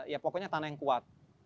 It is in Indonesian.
ya pokoknya tanah yang kuat